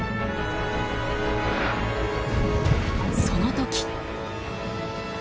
その時。